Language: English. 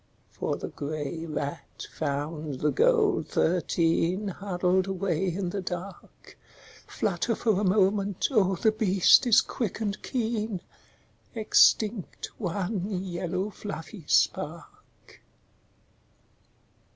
For the grey rat found the gold thirteen Huddled away in the dark, Flutter for a moment, oh the beast is quick and keen, Extinct one yellow fluffy spark.